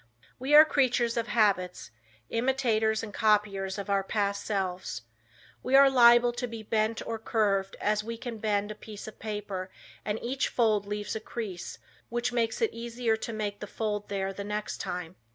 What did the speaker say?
We are creatures of habits, "imitators and copiers of our past selves." We are liable to be "bent" or "curved" as we can bend a piece of paper, and each fold leaves a crease, which makes it easier to make the fold there the next time.